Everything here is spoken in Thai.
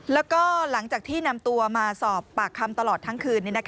แล้วก็หลังจากที่นำตัวมาสอบปากคำตลอดทั้งคืน